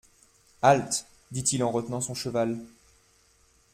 Halte ! dit-il en retenant son cheval.